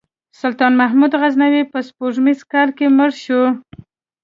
سلطان محمود غزنوي په سپوږمیز کال کې مړ شو.